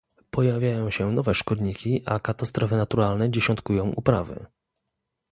pojawiają się nowe szkodniki, a katastrofy naturalne dziesiątkują uprawy